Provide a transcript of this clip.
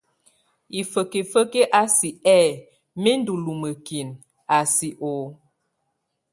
Hifekefek a sɛk ɛ̂, mɛ́ ndolumuekin a sɛk o.